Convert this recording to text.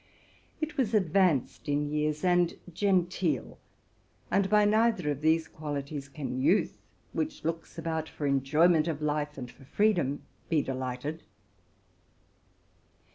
It was ad vanced in years and genteel; and by neither of these quali ties can youth, which looks about for enjoyment of life and for freedom, be delighted.